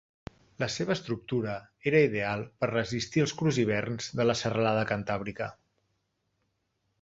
La seva estructura era ideal per resistir els crus hiverns de la serralada cantàbrica.